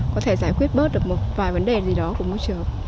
có thể giải quyết bớt được một vài vấn đề gì đó của môi trường